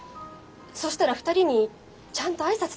そしたら２人にちゃんと挨拶できないもん。